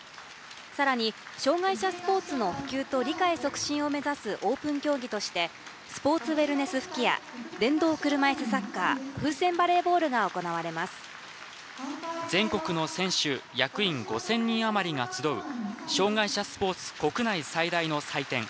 さらに、障害者スポーツの普及と理解促進を目指すオープン競技としてスポーツウエルネス吹矢電動車いすサッカーふうせんバレーボールが全国の選手・役員５０００人余りが集う障害者スポーツ国内最大の祭典。